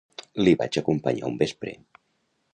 L'hi vaig acompanyar un vespre